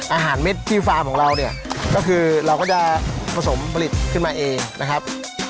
เม็ดที่ฟาร์มของเราเนี่ยก็คือเราก็จะผสมผลิตขึ้นมาเองนะครับ